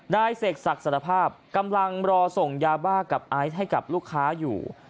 เสกศักดิ์สารภาพกำลังรอส่งยาบ้ากับไอซ์ให้กับลูกค้าอยู่